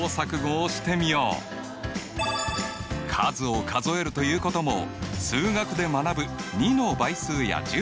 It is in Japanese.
数を数えるということも数学で学ぶ２の倍数や１０の倍数につながっている。